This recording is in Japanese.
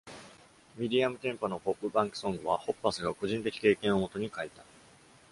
ミディアムテンポのポップパンクソングは、ホッパスが個人的経験をもとに書いた。